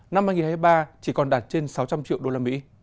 năm hai nghìn hai mươi ba chỉ còn đạt trên sáu trăm linh triệu usd